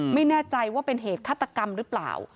ไม่แน่ใจว่าเป็นเหตุฆาตกรรมหรือเปล่า